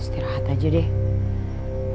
setirahat aja deh